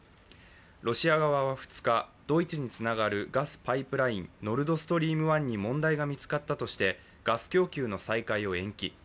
ロシア側は２日、ドイツにつながるガスパイプライン、ノルドストリーム１に問題が見つかったとしてガス供給の再開を延期。